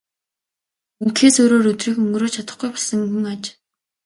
Ингэхээс өөрөөр өдрийг өнгөрөөж чадахгүй болсон хүн аж.